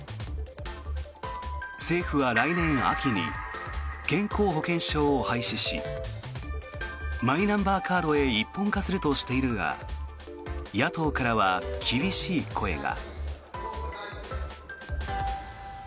政府は来年秋に健康保険証を廃止しマイナンバーカードへ一本化するとしているが野党からは厳しい声が。